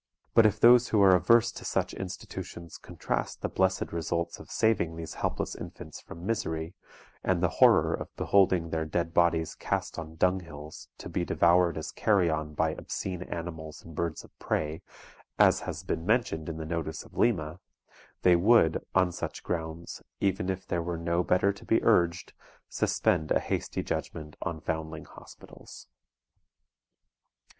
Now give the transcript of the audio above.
But if those who are averse to such institutions contrast the blessed results of saving these helpless infants from misery, and the horror of beholding their dead bodies cast on dunghills, to be devoured as carrion by obscene animals and birds of prey, as has been mentioned in the notice of Lima, they would, on such grounds, even if there were no better to be urged, suspend a hasty judgment on Foundling Hospitals.